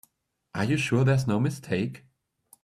Are you sure there's no mistake?